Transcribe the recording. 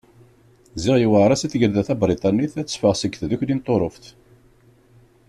Ziɣ yuɛer-as i Tgelda Tabriṭanit ad teffeɣ seg Tdukli n Tuṛuft.